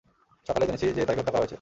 সকালেই জেনেছি, যে তাকে হত্যা করা হয়েছে।